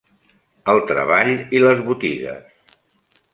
El treball i les botigues